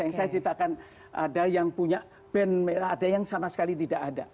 yang saya ceritakan ada yang punya band merah ada yang sama sekali tidak ada